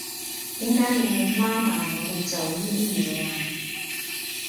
點解你要拉埋我哋做依啲嘢呀？